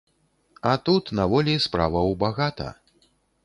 А тут, на волі, справаў багата.